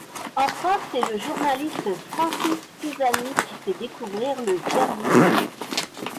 En France, c’est le journaliste Francis Pisani qui fait découvrir le service.